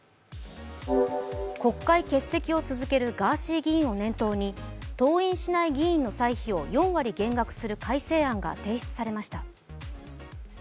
国会欠席を続けるガーシー議員を念頭に登院しない議員の歳費を４割減額する改正案が提出されました。